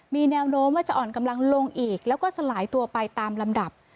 มีแนวโน้มว่าจะอ่อนกำลังลงอีกแล้วก็สลายตัวไปตามลำดับ